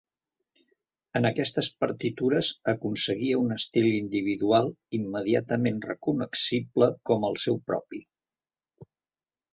En aquestes partitures aconseguia un estil individual immediatament recognoscible com el seu propi.